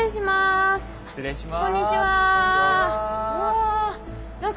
あっ失礼します。